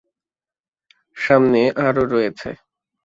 সামনে আরও রয়েছে।